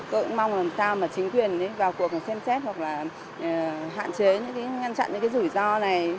tôi cũng mong làm sao mà chính quyền vào cuộc xem xét hoặc là hạn chế những cái ngăn chặn những cái rủi ro này